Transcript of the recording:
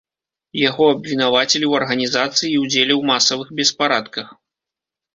Яго абвінавацілі ў арганізацыі і ўдзеле ў масавых беспарадках.